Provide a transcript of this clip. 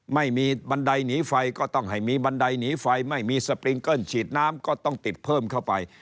ไม่มีบันไดหนีไฟก็ต้องให้มีบันไดหนีไฟไม่มีสปริงเกิ้ลฉีดน้ำก็ต้องติดเพิ่มเข้าไป